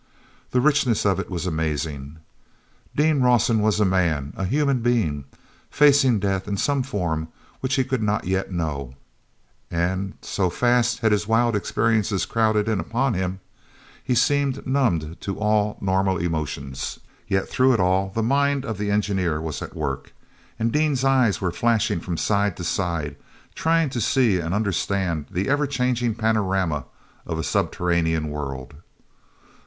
The richness of it was amazing. Dean Rawson was a man, a human being, facing death in some form which he could not yet know, and, so fast had his wild experiences crowded in upon him, he seemed numbed to all normal emotions; yet through it all the mind of the engineer was at work, and Dean's eyes were flashing from side to side, trying to see and understand the ever changing panorama of a subterranean world.